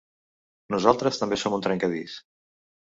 Nosaltres també som un trencadís.